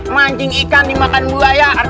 mancing ikan dimakan buaya